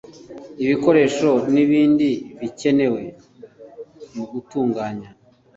ibikoresho n ibindi bikenewe mu gutunganya